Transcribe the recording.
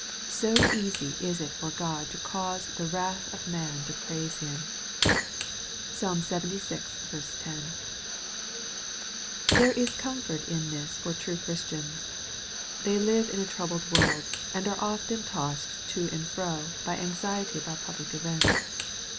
So easy is it for God to cause the wrath of man to praise Him. (Psalm Ixxvi. 10.) There is comfort in all this for true Christians. They live in a troubled world, and are often tossed to and fro by anxiety about public events.